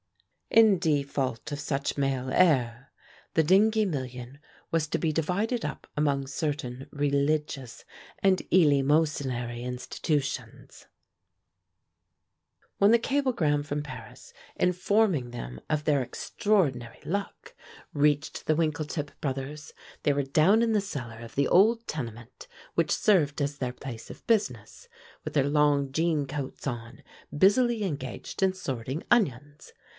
In default of such male heir, the Dingee million was to be divided up among certain religious and eleemosynary institutions. When the cablegram from Paris informing them of their extraordinary luck reached the Winkletip Brothers, they were down in the cellar of the old tenement which served as their place of business, with their long jean coats on, busily engaged in sorting onions.